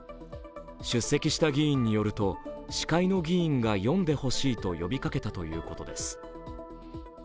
出席した議員によると司会の議員が読んでほしいと呼びかけたということです。